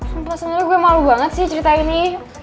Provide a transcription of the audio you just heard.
sumpah sebenernya gue malu banget sih cerita ini